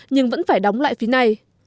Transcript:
nhưng vẫn phải đóng lại phía này